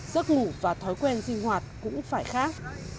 giấc ngủ và thói quen sinh hoạt cũng phải khác